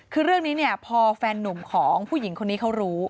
คือเรื่องนี้เนี่ยพอแฟนนุ่มของผู้หญิงคนนี้เขารู้